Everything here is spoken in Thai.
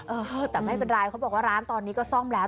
เออแต่ไม่เป็นไรเขาบอกว่าร้านตอนนี้ก็ซ่อมแล้ว